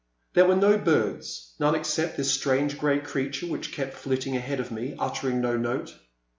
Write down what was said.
There were no birds — ^none ex cept this strange grey creature which kept flitting ahead of me, uttering no note.